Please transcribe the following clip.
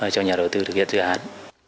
cho nhà đầu tư thực hiện dự án